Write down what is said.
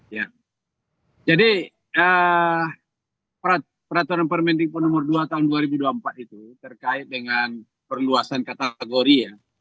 ya jadi peraturan permendikbud nomor dua tahun dua ribu dua puluh empat itu terkait dengan perluasan kategori ya